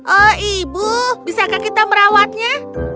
oh ibu bisakah kita merawatnya